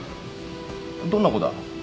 どんな子だ？